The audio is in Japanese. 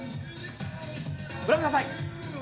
ご覧ください。